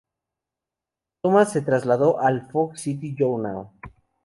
Thomas se trasladó al "Fog City Journal".